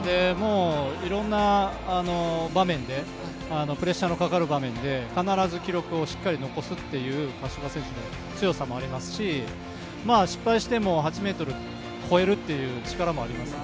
いろんな場面でプレッシャーのかかる場面で必ず記録をしっかり残すっていう橋岡選手の強さもありますし、失敗しても８ｍを超えるという力もあります。